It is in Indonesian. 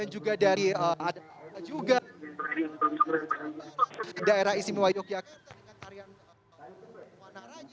dan juga dari adana juga daerah isimuwayo jakarta dengan tarian tuan naranya